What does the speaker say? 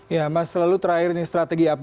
ya mas lalu terakhir ini strategi apa